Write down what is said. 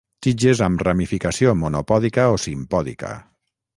Tiges amb ramificació monopòdica o simpòdica.